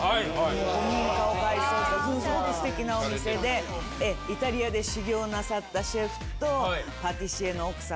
古民家を改装したものすごく素敵なお店でイタリアで修業なさったシェフとパティシエの奥様